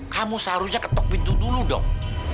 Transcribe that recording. kamu seharusnya ketok pintu dulu dong